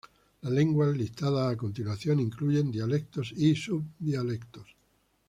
Las lenguas listadas a continuación incluyen dialectos y subdialectos.